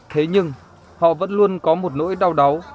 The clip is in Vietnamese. thế nhưng họ vẫn luôn có một nỗi đau đáu